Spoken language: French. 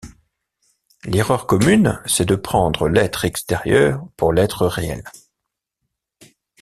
L’erreur commune, c’est de prendre l’être extérieur pour l’être réel.